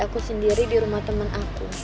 aku sendiri di rumah teman aku